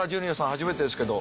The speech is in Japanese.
初めてですけど。